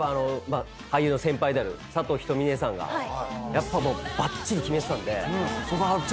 俳優の先輩である佐藤仁美姉さんがやっぱばっちり決めてたんで。